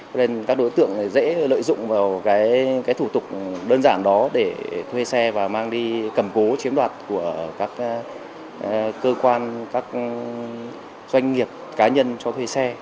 cho nên các đối tượng dễ lợi dụng vào thủ tục đơn giản đó để thuê xe và mang đi cầm cố chiếm đoạt của các cơ quan các doanh nghiệp cá nhân cho thuê xe